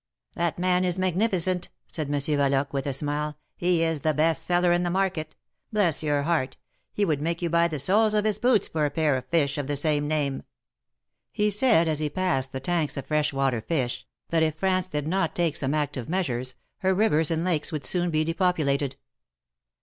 That man is magnificent," said Monsieur Valoque, with a smile. He is the best seller in the market. Bless your heart ! he would make you buy the soles of his boots, for a pair of fish of the same name !" He said, as he passed the tanks of fresh water fish, that if France did not take some aetive measures, her rivers and lakes would soon be depopulated.